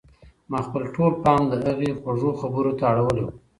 ما خپل ټول پام د هغې خوږو خبرو ته اړولی و.